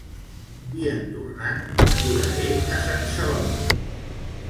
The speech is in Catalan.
I en tornant m'aturaré a Sant Celoni